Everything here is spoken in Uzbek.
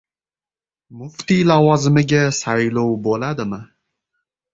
Muftiy lavozimiga saylov bo‘ladimi?